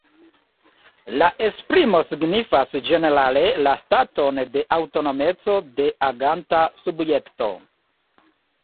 La esprimo signifas ĝenerale la staton de aŭtonomeco de aganta subjekto.